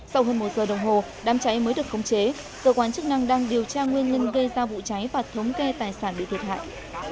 sau hơn một giờ đồng hồ đám cháy mới được khống chế cơ quan chức năng đang điều tra nguyên nhân gây ra vụ cháy và thống kê tài sản bị thiệt hại